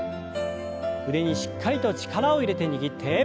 腕にしっかりと力を入れて握って。